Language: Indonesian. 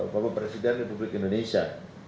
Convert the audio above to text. bapak presiden republik indonesia